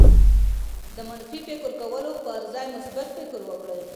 د منفي فکر کولو پر ځای مثبت فکر وکړئ.